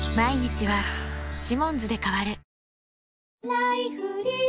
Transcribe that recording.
「ライフリー」